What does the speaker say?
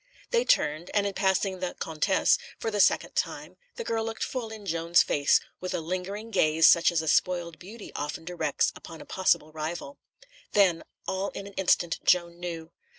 They turned, and in passing the "Comtesse" for the second time, the girl looked full in Joan's face, with a lingering gaze such as a spoiled beauty often directs upon a possible rival. Then, all in an instant, Joan knew.